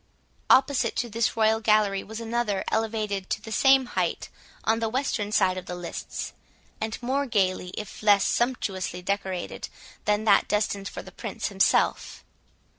Opposite to this royal gallery was another, elevated to the same height, on the western side of the lists; and more gaily, if less sumptuously decorated, than that destined for the Prince himself.